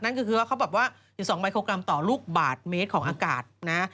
นั่นก็คือว่าเขาบอกว่า๑๒ไมโครกรัมต่อลูกบาทเมตรของอากาศนะ